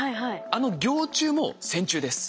あのぎょう虫も線虫です。